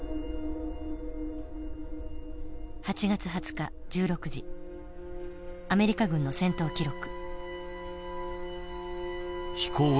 ８月２０日１６時アメリカ軍の戦闘記録。